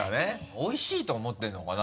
おいしいと思ってるのかな？